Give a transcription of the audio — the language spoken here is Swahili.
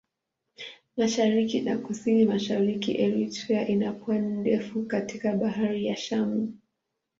Mashariki na Kusini-Mashariki Eritrea ina pwani ndefu katika Bahari ya Shamu.